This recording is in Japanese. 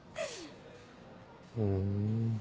ふん。